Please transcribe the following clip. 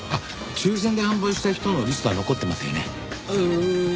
抽選で販売した人のリストは残ってますよね？